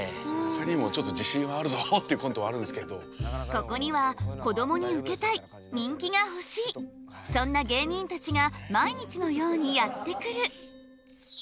ここにはこどもにウケたい人気が欲しいそんな芸人たちが毎日のようにやって来る。